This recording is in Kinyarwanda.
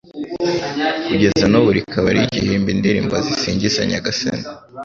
kugeza n'ubu rikaba rigihimba indirimbo zisingiza Nyagasani